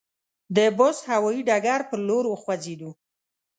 د بُست هوایي ډګر پر لور وخوځېدو.